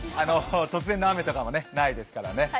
突然の雨とかもないですからね。